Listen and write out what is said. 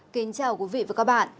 kính chào quý vị và các bạn